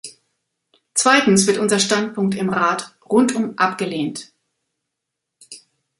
Zweitens wird unser Standpunkt im Rat rundum abgelehnt.